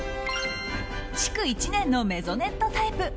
築１年のメゾネットタイプ。